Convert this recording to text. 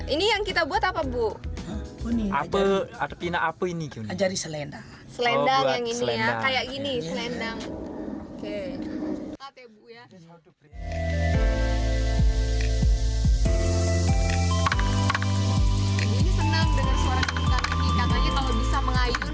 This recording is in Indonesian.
ini yang kita buat apa bu ini apa artinya apa ini jadi selendang selendang yang ini kayak gini